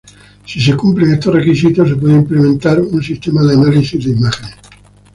Si se cumplen estos requisitos, se puede implementar un sistema de análisis de imágenes.